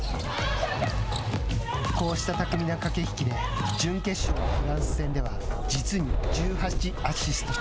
こうした巧みな駆け引きで準決勝のフランス戦では実に１８アシスト。